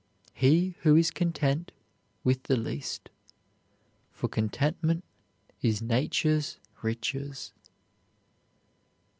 "He who is content with the least, for contentment is nature's riches."